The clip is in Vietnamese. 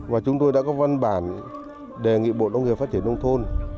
và chúng tôi đã có văn bản đề nghị bộ nông nghiệp phát triển nông thôn